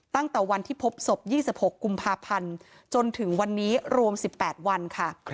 ตั้งแต่วันที่พบศพ๒๖กุมภาพันธ์จนถึงวันนี้รวม๑๘วันค่ะ